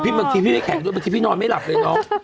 อรแจค่ะอ๋อบางทีพี่แข็งบางทีพี่นอนไม่หลับเลยเนาะ